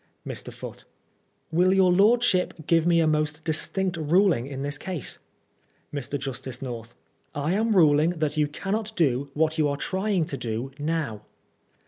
Mr. Foote : Will your lordship give me a most distinct ruling in this case ? Mr. Justice North : I am ruling that you cannot do what you are trying to do now.